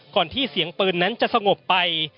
ที่เสียงปืนนั้นจะสงบไป